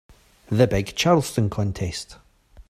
The big Charleston contest.